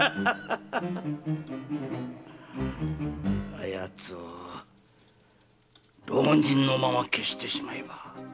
あ奴を浪人のまま消してしまえば。